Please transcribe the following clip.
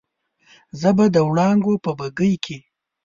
زه به د وړانګو په بګۍ کې